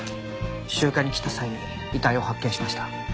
集荷に来た際に遺体を発見しました。